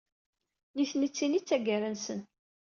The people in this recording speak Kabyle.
Nitni, d tin ay d tagara-nsen.